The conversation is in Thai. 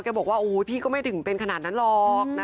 บอกว่าพี่ก็ไม่ถึงเป็นขนาดนั้นหรอก